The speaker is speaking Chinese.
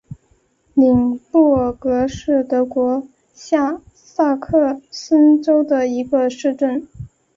宁布尔格是德国下萨克森州的一个市镇。